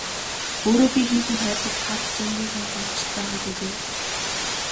Өөрөө би хэн хүнд хайрлагдахаар хичээнгүй сайн сурагч ч байгаагүй дээ.